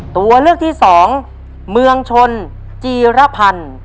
ตัวเลือกที่สองเมืองชนจีรพันธ์